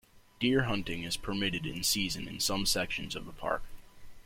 Deer hunting is permitted in season in some sections of the park.